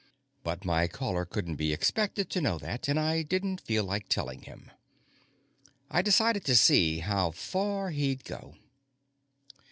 _] But my caller couldn't be expected to know that, and I didn't feel like telling him. I decided to see how far he'd go.